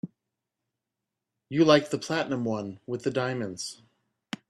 You liked the platinum one with the diamonds.